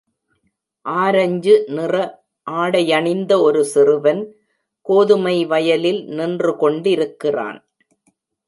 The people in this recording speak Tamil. ஆரஞ்சு நிற ஆடையணிந்த ஒரு சிறுவன் கோதுமை வயலில் நின்றுகொண்டிருக்கிறான்.